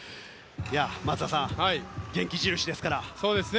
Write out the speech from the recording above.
松田さん元気印ですから。